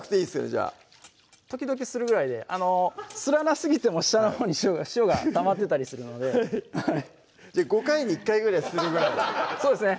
じゃあ時々するぐらいであのすらなすぎても下のほうに塩がたまってたりするので５回に１回ぐらいするぐらいそうですね